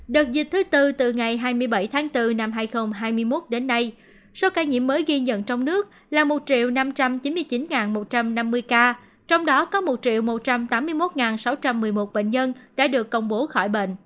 đợt dịch thứ tư từ ngày hai mươi bảy tháng bốn năm hai nghìn hai mươi một đến nay số ca nhiễm mới ghi nhận trong nước là một năm trăm chín mươi chín một trăm năm mươi ca trong đó có một một trăm tám mươi một sáu trăm một mươi một bệnh nhân đã được công bố khỏi bệnh